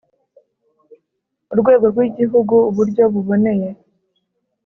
urwego rw Igihugu uburyo buboneye